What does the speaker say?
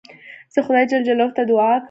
زه خدای جل جلاله ته دؤعا کوم.